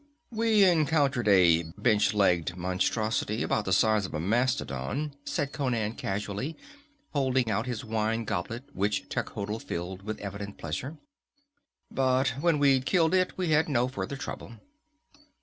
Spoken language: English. "We encountered a bench legged monstrosity about the size of a mastodon," said Conan casually, holding out his wine goblet which Techotl filled with evident pleasure. "But when we'd killed it we had no further trouble."